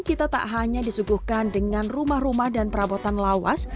kita tak hanya disuguhkan dengan rumah rumah dan perabotan lawas